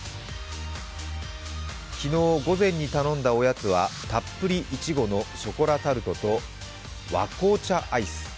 昨日、午前に頼んだおやつはたっぷり苺のショコラタルトと和紅茶アイス。